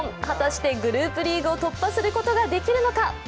果たしてグループリーグを突破することはできるのか。